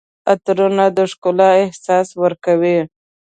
عطرونه د ښکلا احساس ورکوي.